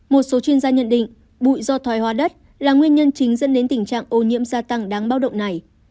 một số chuyên gia nhận định bụi do thoái hóa đất là nguyên nhân chính dẫn đến tình trạng ô nhiễm gia tăng đáng bao động này